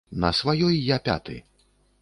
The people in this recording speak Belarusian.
На сваёй я пяты.